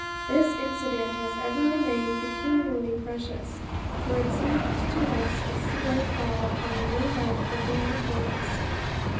This incident has ever remained peculiarly precious; for it seemed to us a seal of God upon the new life opening before us.